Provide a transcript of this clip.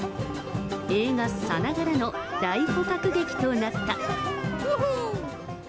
映画さながらの大捕獲劇となった。